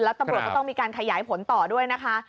แล้วตำรวจก็ต้องมีการขยายผลต่อด้วยนะคะ